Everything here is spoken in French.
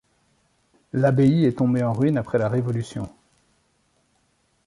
L'abbaye est tombé en ruines après la Révolution.